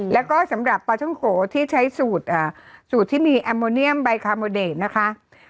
แล้วก็สำหรับปลาท่องโขที่ใช้สูตรที่มีแอมโมเนียมใบคาโมเดตนะคะ